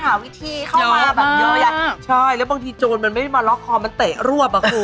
หาวิธีเข้ามาแบบเยอะแยะ